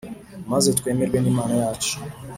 Maze twemerwe n Imana yacu